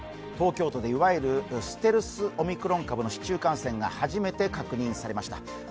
東京都でいわゆるステルスオミクロンの市中感染が初めて確認されました。